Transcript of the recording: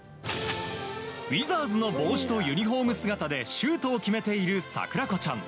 ウィザーズの帽子とユニホーム姿でシュートを決めている桜子ちゃん。